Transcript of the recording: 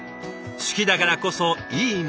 好きだからこそいいものを。